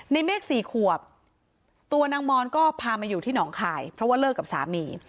เมฆสี่ขวบตัวนางมอนก็พามาอยู่ที่หนองคายเพราะว่าเลิกกับสามี